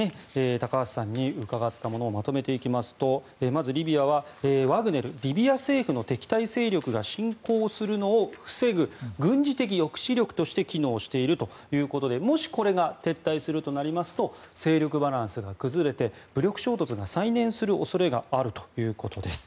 高橋さんに伺ったものをまとめていきますとまず、リビアはワグネルリビア政府の敵対勢力が進攻するのを防ぐ軍事的抑止力として機能しているということでもしこれが撤退するとなりますと勢力バランスが崩れて武力衝突が再燃する恐れがあるということです。